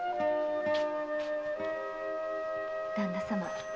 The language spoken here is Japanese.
旦那様。